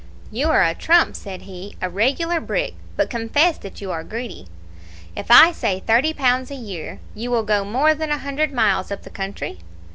"'You are a trump,' said he, 'a regular brick; but confess that you are greedy. If I say thirty pounds a year, you will go more than a hundred miles up the country?'